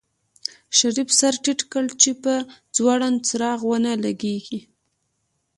شريف سر ټيټ کړ چې په ځوړند څراغ ونه لګېږي.